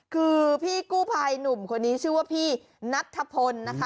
คือพี่กู้ภัยหนุ่มคนนี้ชื่อว่าพี่นัทธพลนะคะ